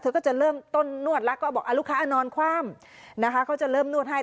ก็จะเริ่มต้นนวดแล้วก็บอกลูกค้านอนคว่ำนะคะเขาจะเริ่มนวดให้